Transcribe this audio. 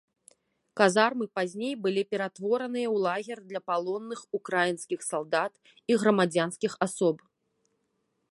Казармы пазней былі ператвораныя ў лагер для палонных украінскіх салдат і грамадзянскіх асоб.